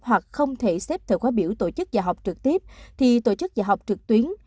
hoặc không thể xếp thời khóa biểu tổ chức và học trực tiếp thì tổ chức dạy học trực tuyến